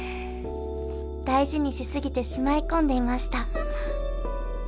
「大事にしすぎてしまい込んでいました」